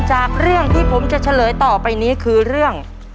จากเรื่องที่ผมจะเฉลยต่อไปนี้คือเรื่อง